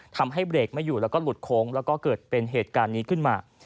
ทำให้เบรกไม่อยู่แล้วก็หลุดโค้งแล้วก็เกิดเป็นเหตุการณ์นี้ขึ้นมา